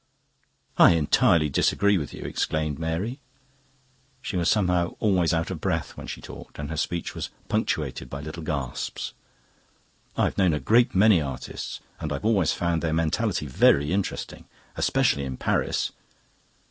"I entirely disagree with you," exclaimed Mary. She was somehow always out of breath when she talked. And her speech was punctuated by little gasps. "I've known a great many artists, and I've always found their mentality very interesting. Especially in Paris.